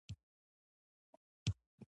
لاسونه روح ته غذا ورکوي